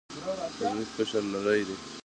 د ځمکې قشر نری دی.